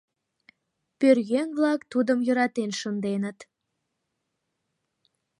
Пӧръеҥ-влак тудым йӧратен шынденыт.